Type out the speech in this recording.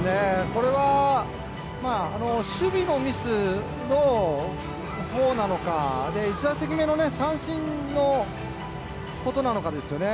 これは、守備のミスのほうなのか、１打席目の三振のことなのかですよね。